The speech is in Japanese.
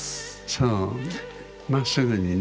そうまっすぐにね。